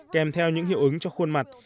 kèm theo những hiệu ứng cho khuôn mặt